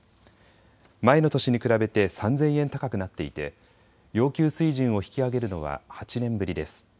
前の年に比べて３０００円高くなっていて要求水準を引き上げるのは８年ぶりです。